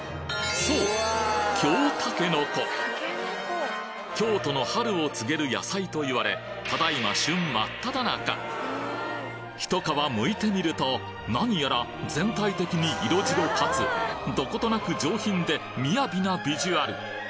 そう「京都の春を告げる野菜」と言われ只今一皮剥いてみると何やら全体的に色白かつどことなく上品で雅なビジュアル